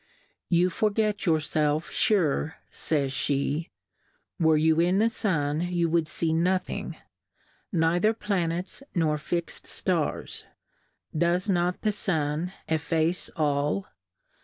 You forget your felf fure,/^jj^^, were. you in the Sun you wouM fee nothing, neither Planets nor fix'd Stars ; does not the Sun efface all